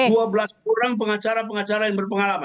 dua belas orang pengacara pengacara yang berpengalaman